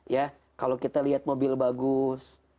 ya kalau kita lihat mobil bagus